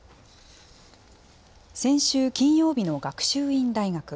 先週金曜日の学習院大学。